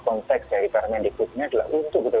konteks dari parmen dikutnya adalah untuk